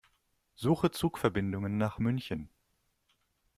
Suche Zugverbindungen nach München.